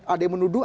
ada yang menuduh